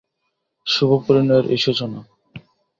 শুভপরিণয়ের এই সূচনা।